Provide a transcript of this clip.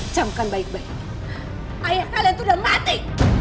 cam kan baik baik ayah kalian tuh udah mati